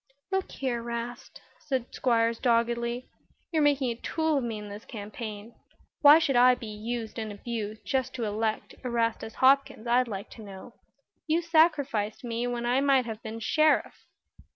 "Look here, 'Rast," said Squiers, doggedly, "you're making a tool of me in this campaign. Why should I be used and abused just to elect Erastus Hopkins, I'd like to know. You sacrificed me when I might have been Sheriff."